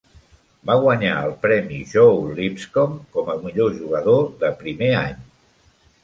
Va guanyar el premi Joe Lipscomb com a millor jugador de primer any.